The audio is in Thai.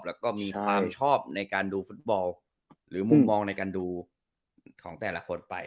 แล้วก็มีความชอบในการดูฟุตบอลหรือมุมมองในการดูของแต่ละคนไป